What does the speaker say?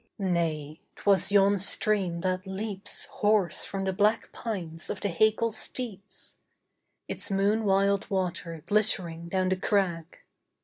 She Nay! 'twas yon stream that leaps Hoarse from the black pines of the Hakel steeps; Its moon wild water glittering down the crag.